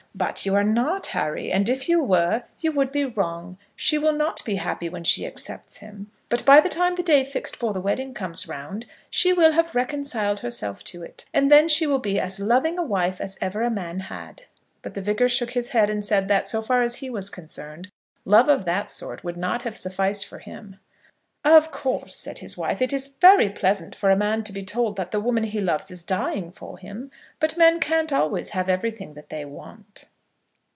"But you are not Harry; and if you were, you would be wrong. She will not be happy when she accepts him; but by the time the day fixed for the wedding comes round, she will have reconciled herself to it, and then she will be as loving a wife as ever a man had." But the Vicar shook his head and said that, so far as he was concerned, love of that sort would not have sufficed for him. "Of course," said his wife, "it is very pleasant for a man to be told that the woman he loves is dying for him; but men can't always have everything that they want."